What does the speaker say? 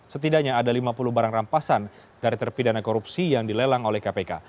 setidaknya ada lima puluh barang rampasan dari terpidana korupsi yang dilelang oleh kpk